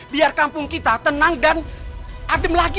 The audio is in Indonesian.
biar kampung kita tenang dan adem lagi